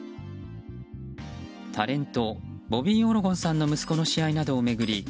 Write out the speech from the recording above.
タレントボビー・オロゴンさんの息子の試合などを巡り